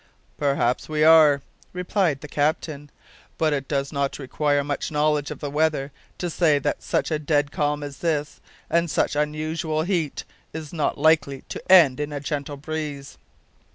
"Perhaps we are," replied the captain; "but it does not require much knowledge of the weather to say that such a dead calm as this, and such unusual heat, is not likely to end in a gentle breeze."